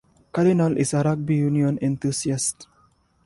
Cardinal is a rugby union enthusiast.